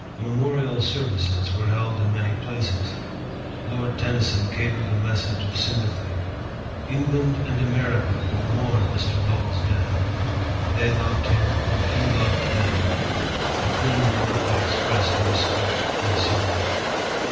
Memorial services were held in many places. Lord Tennyson cabled a message of sympathy: "England and America will mourn Mr. Lowell's death. They loved him and he loved them." The Queen publicly expressed her respect and sorrow.